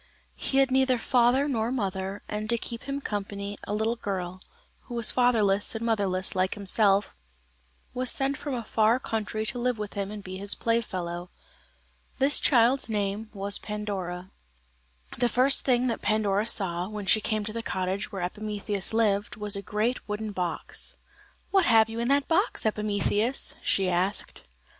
He had neither father nor mother, and to keep him company, a little girl, who was fatherless and motherless like himself, was sent from a far country to live with him and be his playfellow. This child's name was Pandora. The first thing that Pandora saw, when she came to the cottage where Epimetheus lived, was a great wooden box. "What have you in that box, Epimetheus?" she asked.